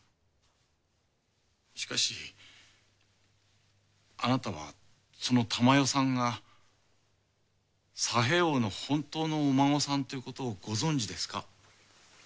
しかしあなたはその珠世さんが佐兵衛翁の本当のお孫さんということをご存じですか？